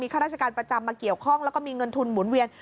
ข้าราชการประจำมาเกี่ยวข้องแล้วก็มีเงินทุนหมุนเวียน